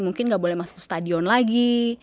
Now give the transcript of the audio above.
mungkin nggak boleh masuk stadion lagi